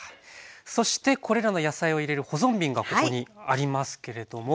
そしてこれらの野菜を入れる保存瓶がここにありますけれども。